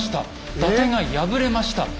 伊達が敗れました。